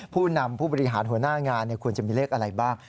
ผู้นำผู้บริหารหัวหน้างานควรจะมีเลขอะไรบ้าง